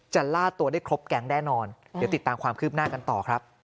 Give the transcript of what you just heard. ล่าตัวได้ครบแก๊งแน่นอนเดี๋ยวติดตามความคืบหน้ากันต่อครับ